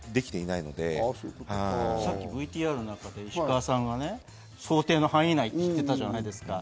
ＶＴＲの中で石川さんが想定の範囲内で言ってたじゃないですか。